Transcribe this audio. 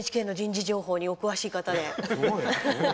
ＮＨＫの人事情報にお詳しい方で。